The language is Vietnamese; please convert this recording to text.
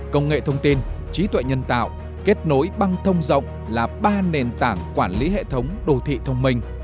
công nghệ thông tin trí tuệ nhân tạo kết nối băng thông rộng là ba nền tảng quản lý hệ thống đô thị thông minh